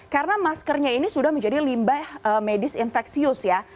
karena maskernya ini sudah menjadi limbah medis infeksius ya